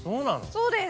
そうです。